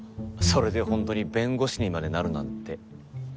それで本当に弁護士にまでなるなんて。